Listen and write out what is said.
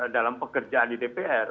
dalam pekerjaan di dpr